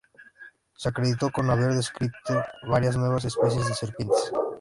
Se acreditó con haber descripto varias nuevas especies de serpientes.